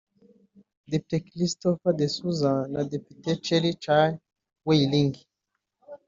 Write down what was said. Depite Christopher De Souza na Depite Cherryl Chan wei Ling